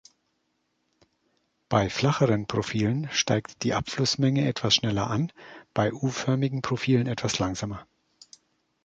Bei flacheren Profilen steigt die Abflussmenge etwas schneller an, bei u-förmigen Profilen etwas langsamer.